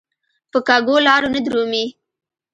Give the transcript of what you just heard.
په کږو لارو نه درومي.